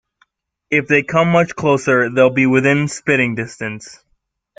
If they come much closer, they'll be within spitting distance.